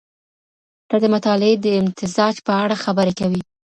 ته د مطالعې د امتزاج په اړه خبري کوې.